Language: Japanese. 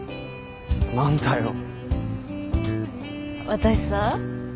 私さ